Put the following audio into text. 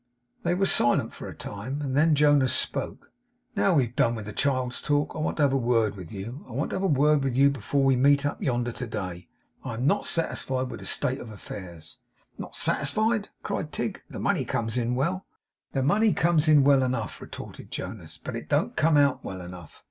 They were silent for a little time. Then Jonas spoke: 'Now we've done with child's talk, I want to have a word with you. I want to have a word with you before we meet up yonder to day. I am not satisfied with the state of affairs.' 'Not satisfied!' cried Tigg. 'The money comes in well.' 'The money comes in well enough,' retorted Jonas, 'but it don't come out well enough.